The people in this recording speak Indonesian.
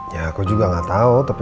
ya aku juga gak tau tapi